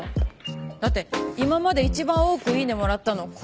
だって今まで一番多くイイネもらったのこれだよ。